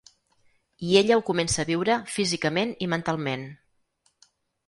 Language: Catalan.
I ella ho comença a viure físicament i mentalment.